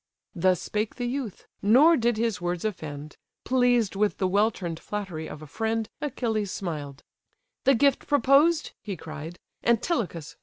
Thus spake the youth; nor did his words offend; Pleased with the well turn'd flattery of a friend, Achilles smiled: "The gift proposed (he cried), Antilochus!